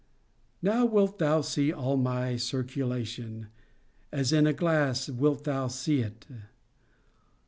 Now wilt thou see all my circulation: as in a glass wilt thou see it.